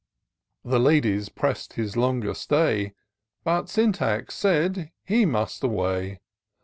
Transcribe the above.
The ladies press'd his longer stay, But Syntax said — ^he must away.